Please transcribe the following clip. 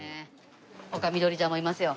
丘みどりちゃんもいますよ。